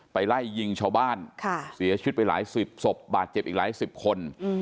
ไล่ยิงชาวบ้านเสียชีวิตไปหลายสิบศพบาดเจ็บอีกหลายสิบคน